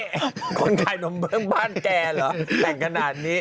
คนไข่นมเพิ่งบ้านแกหรือแต่งขนาดนี้